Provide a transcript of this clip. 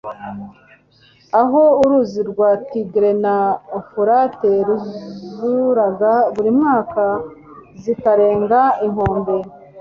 aho uruzi rwa Tigre na Ufurate zuzuraga buri mwaka zikarenga inkombe